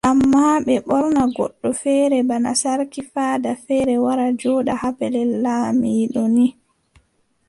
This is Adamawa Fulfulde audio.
Ammaa ɓe ɓorna goɗɗo feere bana sarki faada feere wara jooɗa haa pellel laamiiɗo ni.